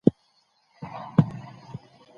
موږ به په راتلونکي کي پرمختللي سو.